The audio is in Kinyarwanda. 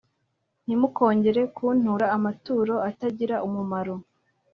Ntimukongere kuntura amaturo atagira umumaro